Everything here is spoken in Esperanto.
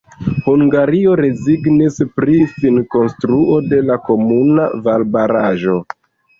Hungario rezignis pri finkonstruo de la komuna valbaraĵo.